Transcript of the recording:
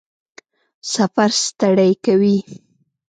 سفر ستړی کوي؟